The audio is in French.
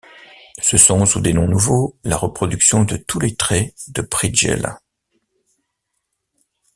Ce sont, sous des noms nouveaux, la reproduction de tous les traits de Brighella.